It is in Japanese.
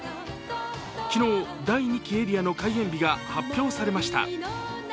昨日、第２期エリアの開園日が発表されました。